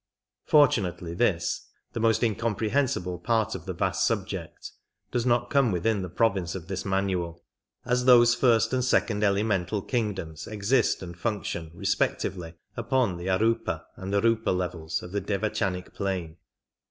Fortunately this, the most incomprehensible part of the vast subject, does not come within the province of this manual, as those first and second elemental kingdoms exist and function respectively upon the arupa and riipa levels of the devachanic plane.